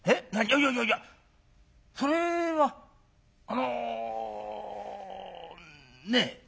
「いやいやいやそれはあのねっ」。